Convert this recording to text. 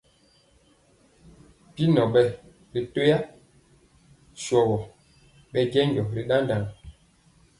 Binɔn ɓɛ ri toyee sɔgɔ ɓɛ jɛnjɔ ri ɗaɗaŋ.